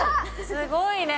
すごいね。